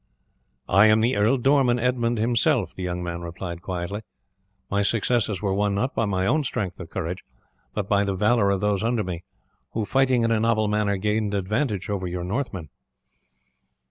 "I am the Ealdorman Edmund himself," the young man replied quietly. "My successes were won not by my own strength or courage, but by the valour of those under me, who, fighting in a novel manner, gained advantage over your Northmen."